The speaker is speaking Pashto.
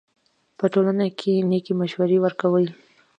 په ټولنه کښي نېکي مشورې ورکوئ!